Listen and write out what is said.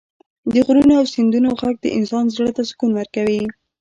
د غرونو او سیندونو غږ د انسان زړه ته سکون ورکوي.